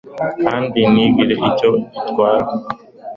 kandi ntigire icyo itwara